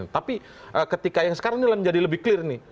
tapi ketika yang sekarang ini menjadi lebih kelas